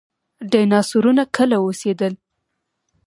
ډیناسورونه کله اوسیدل؟